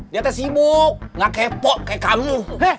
dia sibuk nggak kepo kayak kamu